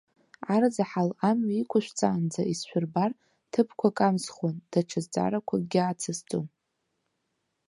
Арзаҳал амҩа иқәышәҵаанӡа исшәырбар, ҭыԥқәак амсхуан, даҽа зҵаарақәакгьы ацысҵон.